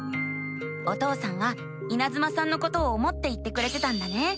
お父さんはいなずまさんのことを思って言ってくれてたんだね。